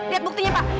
lihat buktinya pak